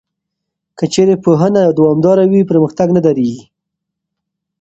که چېرې پوهنه دوامداره وي، پرمختګ نه درېږي.